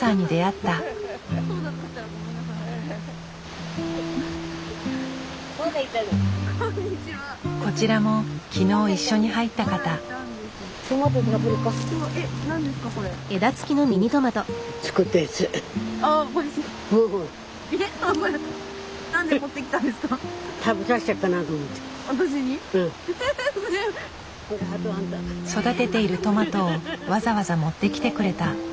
育てているトマトをわざわざ持ってきてくれた。